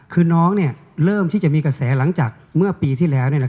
คือน้องเริ่มที่จะมีกระแสหลังจากเมื่อปีที่แล้ว